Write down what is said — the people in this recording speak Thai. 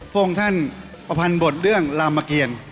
พวกคุณท่านประพันธ์บทเรื่องลามเมอร์เกณฑ์